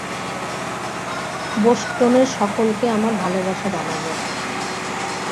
বোষ্টনের সকলকে আমার ভালবাসা জানাবেন।